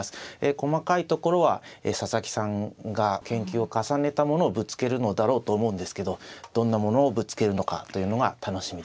細かいところは佐々木さんが研究を重ねたものをぶつけるのだろうと思うんですけどどんなものをぶつけるのかというのが楽しみですね。